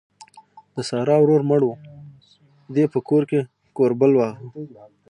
د سارا ورور مړ وو؛ دې په کور کې کوربل واهه.